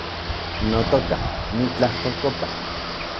Notoka , nitlajtolkopa